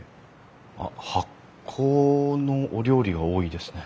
あっ発酵のお料理が多いですね。